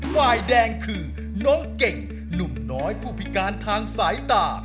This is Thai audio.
ฝ่ายแดงคือน้องเก่งหนุ่มน้อยผู้พิการทางสายตา